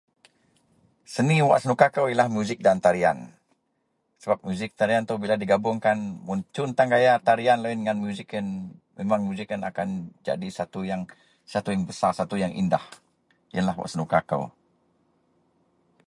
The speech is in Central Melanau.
seni wak senuka kou ienlah musik dan tarian sebab musik tarian itou bila digabuongkan mun cun tan gaya tarian loyien ngan musik ien memang musik ien akan jadi satu yang satu yang besar satu yang indah ienlah senuka kou